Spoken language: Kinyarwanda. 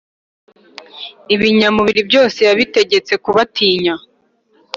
Ibinyamubiri byose yabitegetse kubatinya,